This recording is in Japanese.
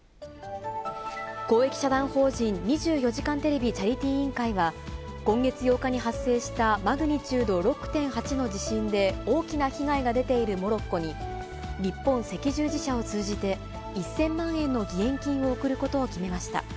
公益社団法人２４時間テレビチャリティー委員会は、今月８日に発生したマグニチュード６．８の地震で大きな被害が出ているモロッコに、日本赤十字社を通じて、１０００万円の義援金を送ることを決めました。